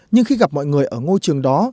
nhưng khi gặp mọi người ở ngôi trường đó